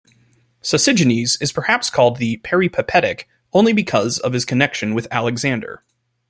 Sosigenes is perhaps called "the Peripatetic" only because of his connection with Alexander.